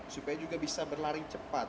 supaya juga bisa berlaring cepat